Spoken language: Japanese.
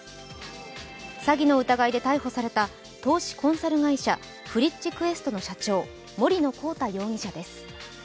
詐欺の疑いで逮捕された投資コンサル会社ＦＲｉｃｈＱｕｅｓｔの社長、森野広太容疑者です。